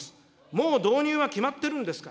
もう導入は決まってるんですか。